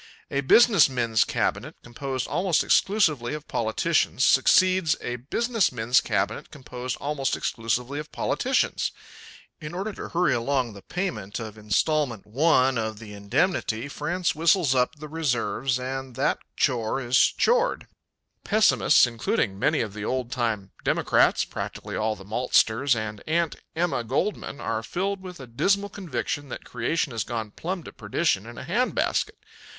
A business men's cabinet, composed almost exclusively of politicians, succeeds a business men's cabinet composed almost exclusively of politicians. In order to hurry along the payment of Installment One of the Indemnity France whistles up the reserves and that chore is chored. Pessimists, including many of the old line Democrats, practically all the maltsters, and Aunt Emma Goldman, are filled with a dismal conviction that creation has gone plum' to perdition in a hand basket.